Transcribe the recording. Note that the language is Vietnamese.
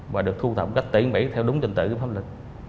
và được thu thập cách tiện bỉ theo đúng trình tự pháp lịch